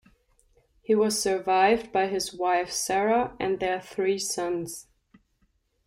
He was survived by his wife Sara, and their three sons.